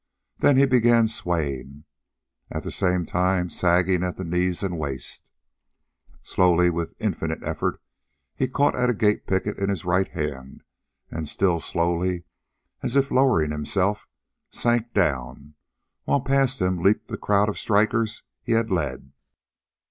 Then he began swaying, at the same time sagging at the knees and waist. Slowly, with infinite effort, he caught a gate picket in his right hand, and, still slowly, as if lowering himself, sank down, while past him leaped the crowd of strikers he had led.